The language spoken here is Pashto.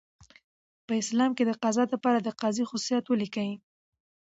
په اسلام کي دقضاء د پاره دقاضي خصوصیات ولیکئ؟